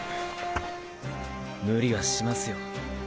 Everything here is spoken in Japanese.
ムリはしますよ。